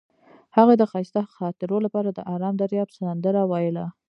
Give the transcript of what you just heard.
هغې د ښایسته خاطرو لپاره د آرام دریاب سندره ویله.